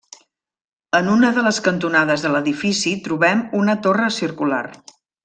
En una de les cantonades de l'edifici trobem una torre circular.